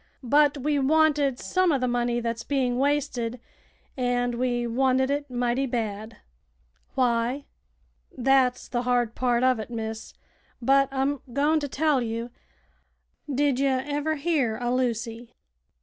But we wanted some uv th' money that's being wasted, an' we wanted it mighty bad." "Why?" "Thet's the hard part uv it, miss; but I'm goin' to tell you. Did ye ever hear o' Lucy?"